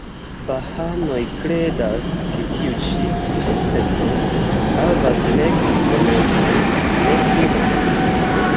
Bahaanoj kredas, ke tiu ĉi procezo havas nek komencon, nek finon.